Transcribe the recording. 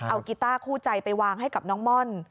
เอากีต้าคู่ใจไปวางให้กับน้องม่อน